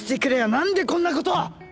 何でこんなこと。